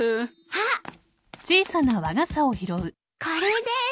これです。